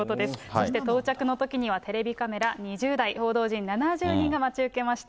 そして到着のときには、テレビカメラ２０台、報道陣７０人が待ち受けました。